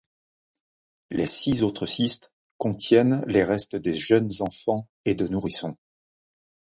Les six autres cistes contiennent les restes de jeunes enfants et de nourrissons.